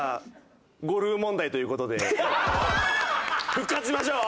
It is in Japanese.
復活しましょう！